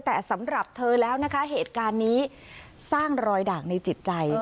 แต่สำหรับเธอแล้วนะคะเหตุการณ์นี้สร้างรอยด่างในจิตใจ